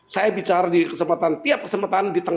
saya bicara di kesempatan